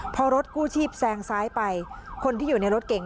พอรถกู้ชีพแซงซ้ายไปคนที่อยู่ในรถเก่ง